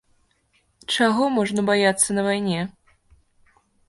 Чаго можна баяцца на вайне?